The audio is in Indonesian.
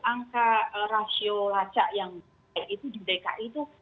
angka rasio laca yang baik itu di dki itu